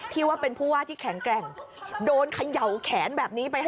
ที่ว่าเป็นผู้ว่าที่แข็งแกร่งโดนเขย่าแขนแบบนี้ไปให้